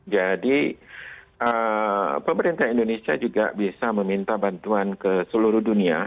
jadi pemerintah indonesia juga bisa meminta bantuan ke seluruh dunia